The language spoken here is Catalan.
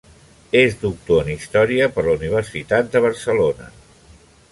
És doctor en Història per la Universitat de Barcelona.